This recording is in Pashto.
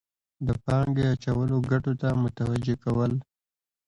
د پانګې اچولو ګټو ته متوجه کول.